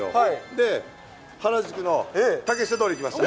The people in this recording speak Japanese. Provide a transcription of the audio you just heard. で、原宿の竹下通り、行きました。